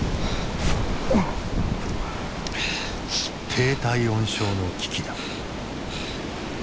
低体温症の危機だ。